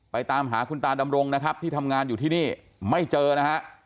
ตามหาคุณตาดำรงนะครับที่ทำงานอยู่ที่นี่ไม่เจอนะฮะ